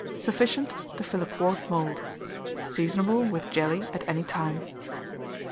Sufficient to fill a quart mould. Seasonable, with jelly, at any time.